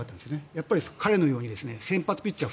やっぱり彼のように先発ピッチャー